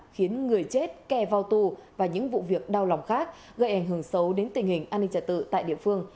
khiến người chết kè vào tù và những vụ việc đau lòng khác gây ảnh hưởng xấu đến tình hình an ninh trả tự tại địa phương